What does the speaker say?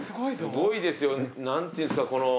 すごいですよ何ていうんすかこの。